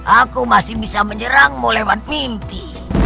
aku masih bisa menyerangmu lewat mimpi